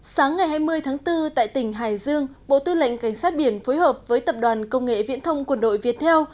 sáng ngày hai mươi tháng bốn tại tỉnh hải dương bộ tư lệnh cảnh sát biển phối hợp với tập đoàn công nghệ viễn thông quân đội việt theo